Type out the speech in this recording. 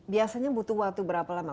biasanya butuh waktu berapa lama